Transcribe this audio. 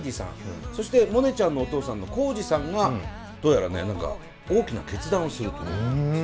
そしてモネちゃんのお父さんの耕治さんがどうやらね何か大きな決断をすると。